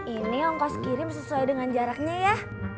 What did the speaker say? ini ongkos kirim sesuai dengan jaraknya ya